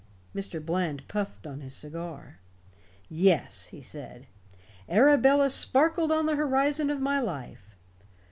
Mr. Bland puffed on his cigar. "Yes," he said, "Arabella sparkled on the horizon of my life.